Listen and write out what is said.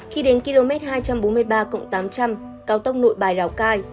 khi đến km hai trăm bốn mươi ba tám trăm linh cao tốc nội bài lào cai